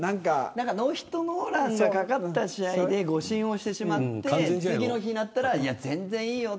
ノーヒットノーランが懸かった試合で誤審をしてしまって次の日になったら全然いいよ。